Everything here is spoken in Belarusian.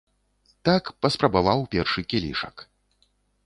Так паспрабаваў першы кілішак.